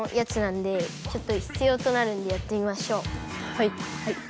はい。